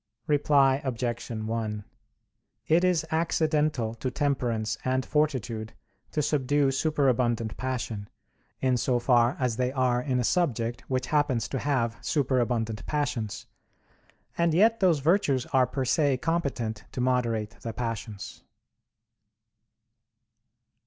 Reply Obj. 1: It is accidental to temperance and fortitude to subdue superabundant passion, in so far as they are in a subject which happens to have superabundant passions, and yet those virtues are per se competent to moderate the passions.